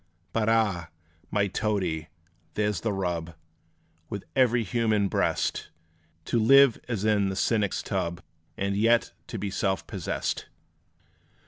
But ah! my Toadie, there 's the rub, With every human breast To live as in the cynic's tub, And yet be self possessed!